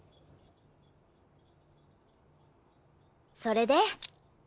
それで？